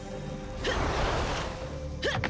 フッフッ！